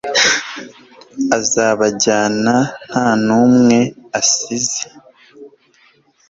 azabajyana nta n'umwe asize